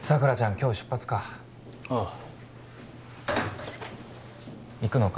今日出発かああ行くのか？